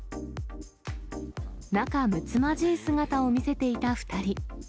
仲むつまじい姿を見せていた２人。